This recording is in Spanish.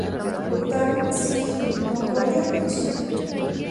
Bután, Sikkim, Mongolia y China.